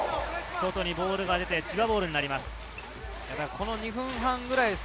外にボールが出て千葉ボールになります。